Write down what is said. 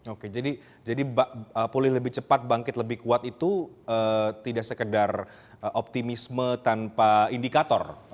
oke jadi pulih lebih cepat bangkit lebih kuat itu tidak sekedar optimisme tanpa indikator